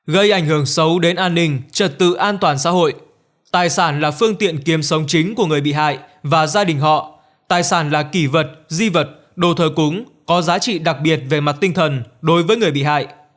gây ảnh hưởng xấu đến an ninh trật tự an tích